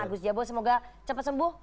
agus jabo semoga cepat sembuh